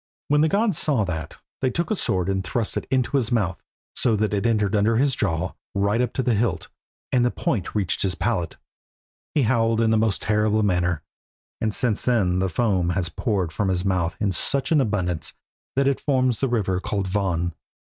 When the gods saw that they took a sword and thrust it into his mouth, so that it entered his under jaw right up to the hilt, and the point reached his palate. He howled in the most terrible manner, and since then the foam has poured from his mouth in such abundance that it forms the river called Von.